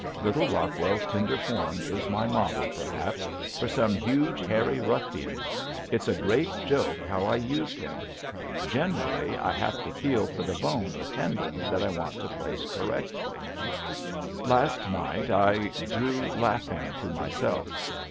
Little Rockwell's tender form is my model perhaps for some huge, hairy ruffian. It's a great joke how I use him. Generally I have to feel for the bone or tendon that I want to place correctly. [Illustration: ZARATHUSTRA AND HIS PLAYMATES] Last night I drew laughing to myself.